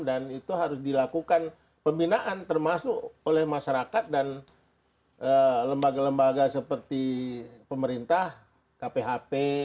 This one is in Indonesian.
dan itu harus dilakukan pembinaan termasuk oleh masyarakat dan lembaga lembaga seperti pemerintah kphp